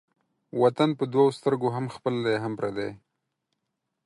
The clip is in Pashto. وطن په دوو سترگو هم خپل دى هم پردى.